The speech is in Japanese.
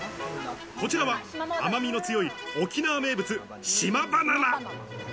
こちらは甘みの強い沖縄名物・島バナナ。